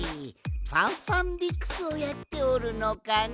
「ファンファンビクス」をやっておるのかね？